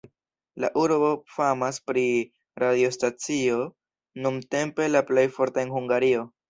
La urbo famas pri radiostacio, nuntempe la plej forta en Hungario.